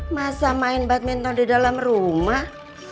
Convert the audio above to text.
masa main badminton di dalam rumah